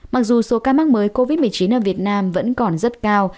mặc dù số ca mắc mới covid một mươi chín ở việt nam vẫn còn rất cao